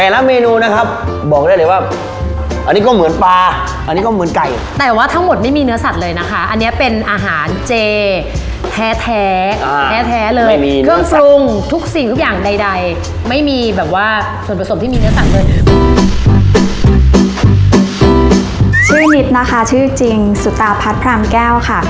ร้านอาหารเจถูกต้องครับผมร้านนี้นะคะไม่ใช่เวจจี้เชฟสมดาห์